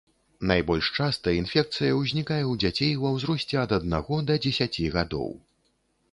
Найбольш часта інфекцыя ўзнікае ў дзяцей ва ўзросце ад аднаго да дзесяці гадоў.